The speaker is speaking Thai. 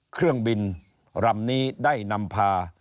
เครื่องบินลำนี้ได้นำพา